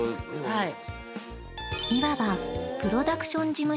はい。